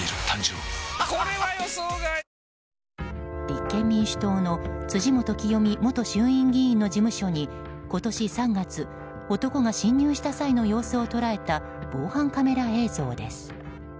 立憲民主党の辻元清美元衆議院議員の事務所に今年３月、男が侵攻した際の様子を捉えた防犯カメラ映像です。